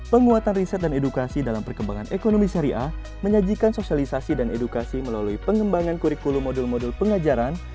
penguatan riset dan edukasi dalam perkembangan ekonomi syariah menyajikan sosialisasi dan edukasi melalui pengembangan kurikulum modul modul pengajaran